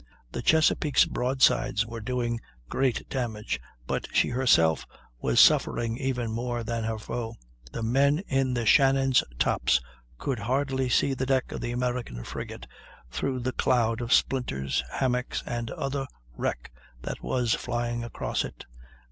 The Chesapeake's broadsides were doing great damage, but she herself was suffering even more than her foe; the men in the Shannon's tops could hardly see the deck of the American frigate through the cloud of splinters, hammocks, and other wreck that was flying across it.